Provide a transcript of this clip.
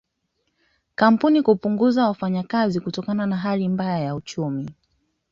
Kampuni kupunguza wafanyakazi kutokana na hali mbaya ya uchumi